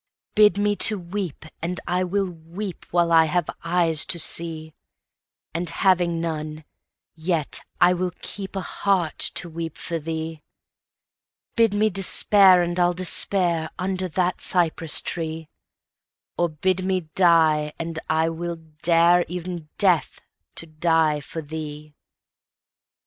Bid me to weep, and I will weepWhile I have eyes to see; And having none, yet I will keepA heart to weep for thee. Bid me despair, and I'll despair, Under that cypress tree; Or bid me die, and I will dareE'en Death, to die for thee.